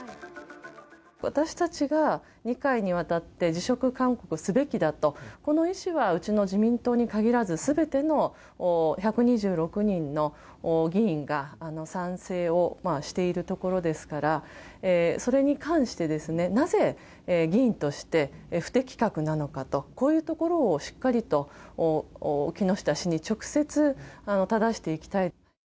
私たちが２回にわたって辞職勧告すべきだと、この意思は、うちの自民党に限らず、すべての１２６人の議員が賛成をしているところですから、それに関してですね、なぜ議員として不適格なのかと、こういうところをしっかりと木下氏に直接ただしていきたい。